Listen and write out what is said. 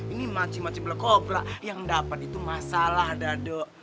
ini mancing mancing black cobra yang dapat itu masalah dadu